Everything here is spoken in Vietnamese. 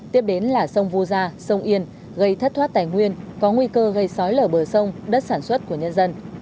tiếp đến là sông vu gia sông yên gây thất thoát tài nguyên có nguy cơ gây sói lở bờ sông đất sản xuất của nhân dân